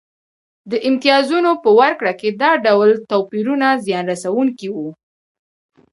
د امتیازونو په ورکړه کې دا ډول توپیرونه زیان رسونکي وو